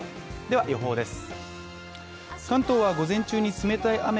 では予報です。